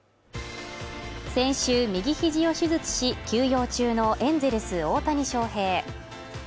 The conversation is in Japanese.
先週右ひじを手術し休養中のエンゼルス・大谷翔平